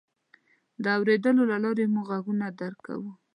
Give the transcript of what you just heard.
د اورېدلو له لارې موږ غږونه درک کوو.